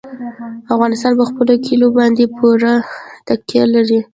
افغانستان په خپلو کلیو باندې پوره تکیه لري.